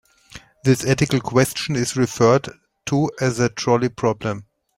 This ethical question is referred to as the trolley problem.